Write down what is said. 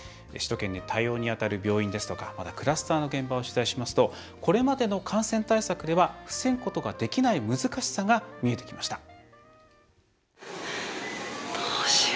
首都圏で対応に当たる病院ですとかまた、クラスターの現場を取材しますとこれまでの感染対策では防ぐことができない難しさが見えてきました。